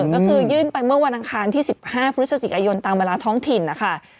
ก็คือยื่นไปเมื่อวันอังคารที่๑๕พฤศจิกายนตามเวลาท้องถิ่นนะคะ